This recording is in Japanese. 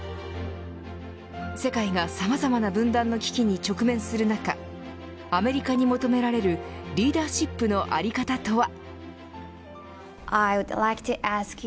世界がさまざまな分断の危機に直面する中アメリカに求められるリーダーシップの在り方とは。